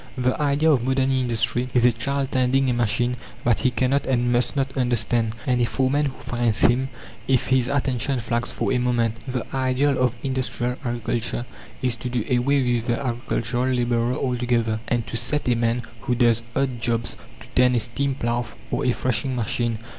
The idea of modern industry is a child tending a machine that he cannot and must not understand, and a foreman who fines him if his attention flags for a moment. The ideal of industrial agriculture is to do away with the agricultural labourer altogether and to set a man who does odd jobs to tend a steam plough or a threshing machine.